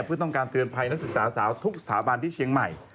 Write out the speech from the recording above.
เพื่อต้องการเตือนภัยนักศึกษาสาวทุกสถาบันที่เชียงใหม่